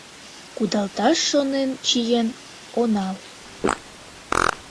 Кудалташ шонен чиен онал.